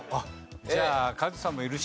じゃあカズさんもいるし。